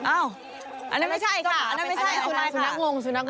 อ้าวอันนั้นไม่ใช่ค่ะอันนั้นไม่ใช่ค่ะอันนั้นไม่ใช่ค่ะสุนัขงงสุนัขงง